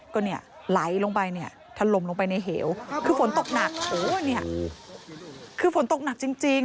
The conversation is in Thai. ก็เนี่ยไหลลงไปเนี่ยถล่มลงไปในเหวคือฝนตกหนักโอ้โหเนี่ยคือฝนตกหนักจริงจริง